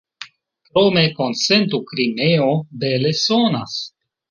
Krome, konsentu, "Krimeo" bele sonas.